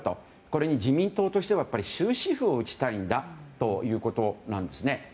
これに自民党としては終止符を打ちたいんだということなんですね。